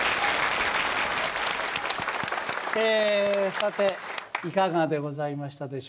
さていかがでございましたでしょうか？